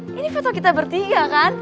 ini foto kita bertiga kan